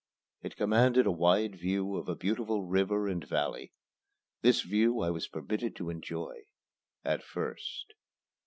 It commanded a wide view of a beautiful river and valley. This view I was permitted to enjoy at first.